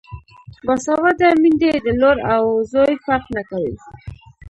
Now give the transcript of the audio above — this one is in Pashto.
باسواده میندې د لور او زوی فرق نه کوي.